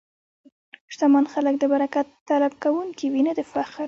شتمن خلک د برکت طلب کوونکي وي، نه د فخر.